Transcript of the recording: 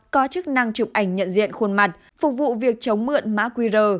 có chức năng chụp ảnh nhận diện khuôn mặt phục vụ việc chống mượn mã qr